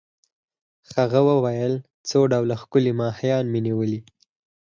هغه وویل: څو ډوله ښکلي ماهیان مي نیولي.